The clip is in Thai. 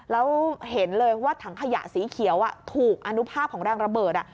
แล้วเห็นเลยว่าถังขยะสีเขียวถูกอนุภาพของแรงระเบิด